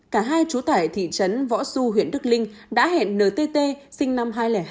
cả hai chú tải thị trấn võ xu huyện đức linh đã hẹn ntt sinh năm hai nghìn hai